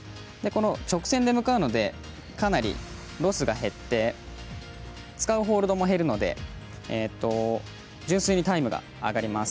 直線で向かうのでかなりロスが減って使うホールドも減るので純粋にタイムが上がります。